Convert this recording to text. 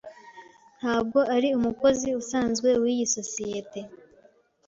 Ntabwo ari umukozi usanzwe wiyi sosiyete.